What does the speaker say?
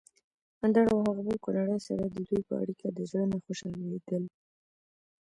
اندړ او هغه بل کونړی سړی ددوی په اړېکه د زړه نه خوشحاليدل